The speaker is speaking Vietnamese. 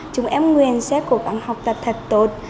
chúng em nguyện sẽ cố gắng học tập thật tốt